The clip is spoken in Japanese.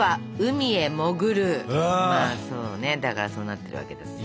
まあそうねだからそうなってるわけですよね。